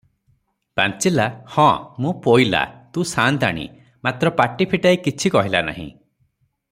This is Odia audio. ପାଞ୍ଚିଲା, ହଁ, ମୁଁ ପୋଇଲା, ତୁ ସାଆନ୍ତାଣୀ; ମାତ୍ର ପାଟି ଫିଟାଇ କିଛି କହିଲା ନାହିଁ ।